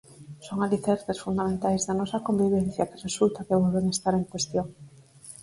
Son alicerces fundamentais da nosa convivencia que resulta que volven estar en cuestión.